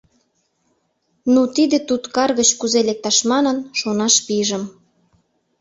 Ну, тиде туткар гыч кузе лекташ манын, шонаш пижым.